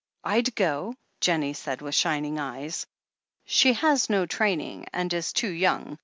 "I'd go," Jennie said, with shining eyes. "She has no training, and is too young.